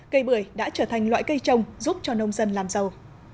cây bưởi đã trở thành loại cây trồng giúp cho nông dân làm giàu